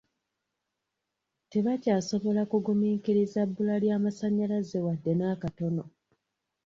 Tebakyasobola kugumiikiriza bbula lya masannyalaze wadde n'akatono.